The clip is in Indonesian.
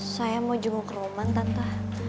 saya mau jemur ke rumah tante